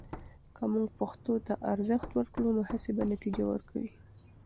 که موږ پښتو ته ارزښت ورکړو، نو هڅې به نتیجه ورکوي.